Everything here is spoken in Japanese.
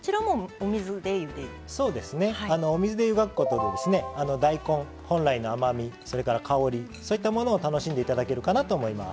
お水で湯がくことで大根本来の甘みそれから香りそういったものを楽しんで頂けるかなと思います。